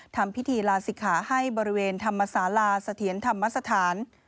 ทำพิธีลาศิกขาให้บริเวณธรรมศาลาเสถียรธรรมสถาน